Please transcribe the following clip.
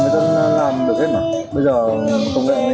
mình đã làm được hết mà bây giờ công nghệ mới hiện đại